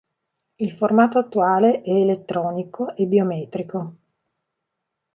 Il formato attuale è elettronico e biometrico.